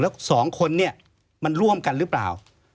แล้วสองคนเนี่ยมันร่วมกันหรือเปล่า